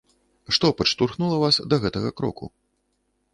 Што падштурхнула вас да гэтага кроку?